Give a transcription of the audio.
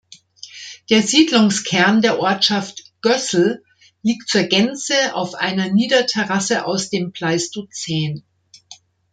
Der Siedlungskern der Ortschaft "Gößl" liegt zur Gänze auf einer Niederterrasse aus dem Pleistozän.